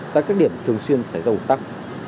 tại các điểm thường xuyên xảy ra ùn tắc